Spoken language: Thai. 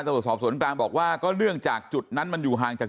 สอบสวนกลางบอกว่าก็เนื่องจากจุดนั้นมันอยู่ห่างจาก